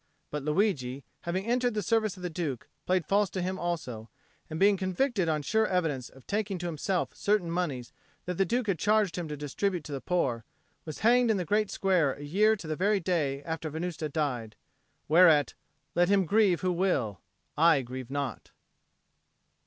But Luigi, having entered the service of the Duke, played false to him also, and, being convicted on sure evidence of taking to himself certain moneys that the Duke had charged him to distribute to the poor, was hanged in the great square a year to the very day after Venusta died; whereat let him grieve who will; I grieve not.